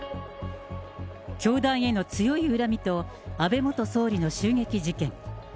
教団への強い恨みと安倍元総理の襲撃事件。